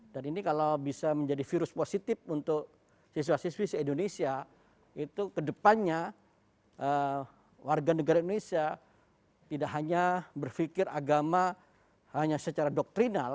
dan ini kalau bisa menjadi virus positif untuk siswa siswi se indonesia itu kedepannya warga negara indonesia tidak hanya berfikir agama hanya secara doktrinal